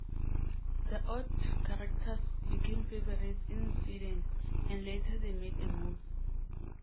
The odd characters became favorites in Sweden, and later they made a movie.